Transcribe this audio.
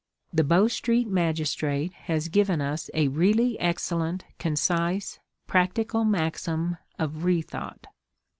The Bow Street Magistrate has given us a really excellent, concise, practical maxim of rethought.